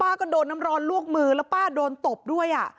ก็โดนน้ำร้อนลวกมือแล้วป้าโดนตบด้วย